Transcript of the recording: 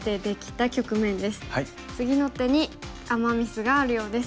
次の手にアマ・ミスがあるようです。